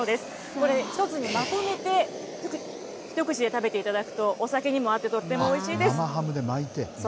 これを一つにまとめて一口で食べていただくと、お酒にも合ってと生ハムで巻いて、なるほど。